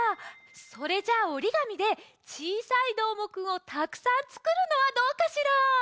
それじゃあおり紙でちいさいどーもくんをたくさんつくるのはどうかしら？